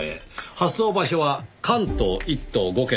発送場所は関東１都５県です。